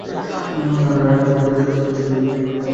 রানু ছোট একটি নিঃশ্বাস ফেলে বারান্দায় এসে দাঁড়াল।